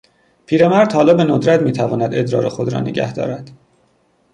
پیرمرد حالا به ندرت میتواند ادرار خود را نگهدارد.